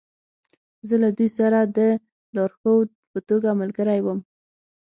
زه له دوی سره د لارښود په توګه ملګری وم